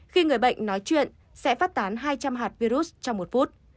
khi người bệnh nói chuyện sẽ phát tán hai trăm linh hạt virus trong một phút